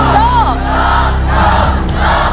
สู้